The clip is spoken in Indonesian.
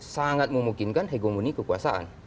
sangat memungkinkan hegemoni kekuasaan